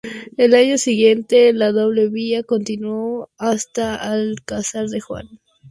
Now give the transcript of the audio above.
Al año siguiente, la doble vía se continuó hasta Alcázar de San Juan.